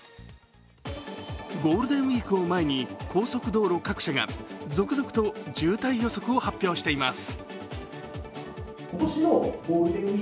ゴールデンウイークを前に高速道路各社が続々と渋滞予測を発表しています。